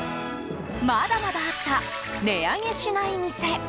まだまだあった値上げしない店。